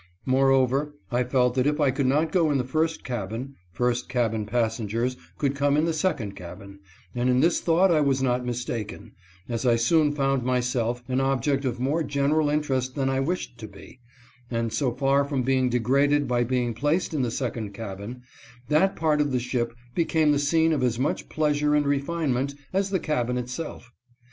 Moreover, I felt that if I could not go in the first cabin, first cabin passengers could come in the second cabin, and in this thought I was not mistaken, as I soon found myself an object of more general interest than I wished to be, and, so far from being degraded by being placed in the second cabin, that part of the ship became the scene of as much pleasure and refinement as the cabin itself.